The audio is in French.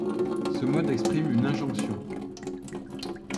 Ce mode exprime une injonction.